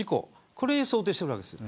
これを想定しているわけです。